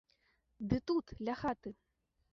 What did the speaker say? Ды тут, ля хаты.